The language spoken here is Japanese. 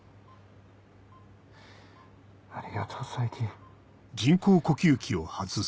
ありがとう冴木。